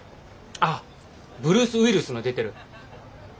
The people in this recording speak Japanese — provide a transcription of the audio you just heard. あっブルース・ウィルスが出てる。